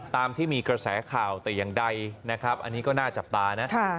ตามที่มีกระแสข่าวแต่อย่างใดนะครับอันนี้ก็น่าจับตานะ